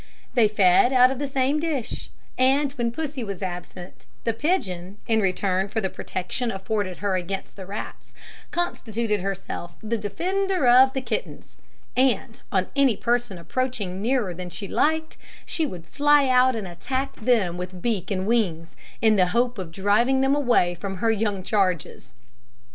They fed out of the same dish; and when Pussy was absent, the pigeon, in return for the protection afforded her against the rats, constituted herself the defender of the kittens and on any person approaching nearer than she liked, she would fly out and attack them with beak and wings, in the hope of driving them away from her young charges.